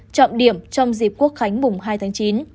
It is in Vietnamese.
trọng điểm trong dịp quốc khánh mùng hai tháng chín